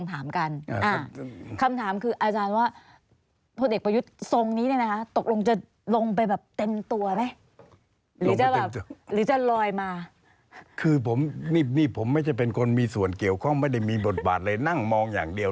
แต่ที่เคลื่อนไหวนี่กลุมภาก็ไม่ได้